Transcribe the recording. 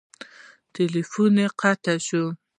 تیلفون یې قطع شو.